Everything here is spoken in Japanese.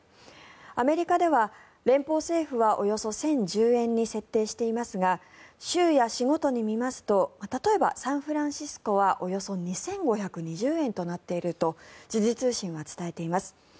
アメリカでは、連邦政府はおよそ１０１０円に設定していますが州や市ごとに見ますと例えばサンフランシスコはおよそ２５２０円となっていると時事通信は伝えています。